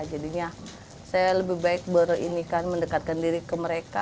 jadinya saya lebih baik mendekatkan diri ke mereka